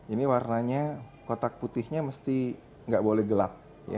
ini warnanya kotak putihnya mesti nggak boleh gelap